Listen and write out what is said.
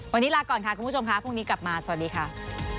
วันนี้ลาก่อนค่ะคุณผู้ชมค่ะพรุ่งนี้กลับมาสวัสดีค่ะ